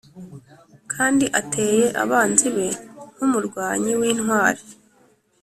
kandi ateye abanzi be nk’umurwanyi w’intwari.